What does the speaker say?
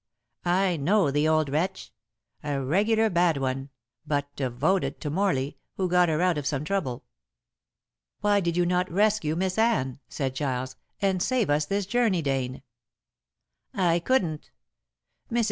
I know the old wretch. A regular bad one; but devoted to Morley, who got her out of some trouble." "Why did you not rescue Miss Anne," said Giles, "and save us this journey, Dane?" "I couldn't. Mrs.